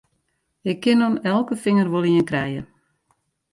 Ik kin oan elke finger wol ien krije!